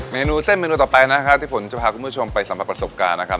เมนูเส้นเมนูต่อไปนะครับที่ผมจะพาคุณผู้ชมไปสัมผัสประสบการณ์นะครับ